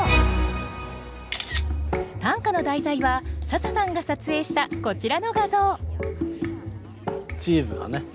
短歌の題材は笹さんが撮影したこちらの画像チーズがね